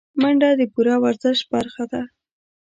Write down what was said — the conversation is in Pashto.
منډه د پوره ورزش برخه ده